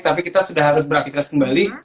tapi kita sudah harus beraktivitas kembali